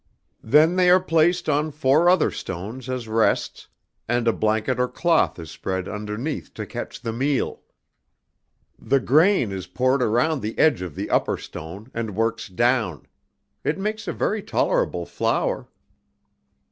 Then they are placed on four other stones as rests, and a blanket or cloth is spread underneath to catch the meal. The grain is poured around the edge of the upper stone, and works down. It makes a very tolerable flour."